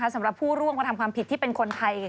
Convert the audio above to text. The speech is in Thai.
สำหรับผู้ร่วมกระทำความผิดที่เป็นคนไทย